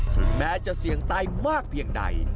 แม้จะเสี่ยงตายมากเพียงใด